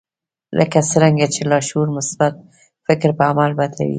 لکه څرنګه چې لاشعور مثبت فکر پر عمل بدلوي